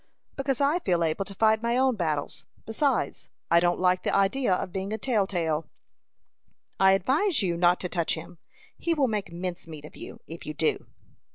"Because I feel able to fight my own battles; besides, I don't like the idea of being a tell tale." "I advise you not to touch him. He will make mince meat of you, if you do."